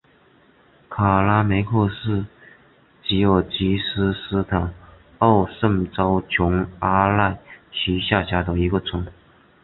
卡拉梅克是吉尔吉斯斯坦奥什州琼阿赖区下辖的一个村。